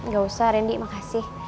gak usah rendy makasih